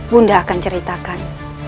bunda akan ceritakan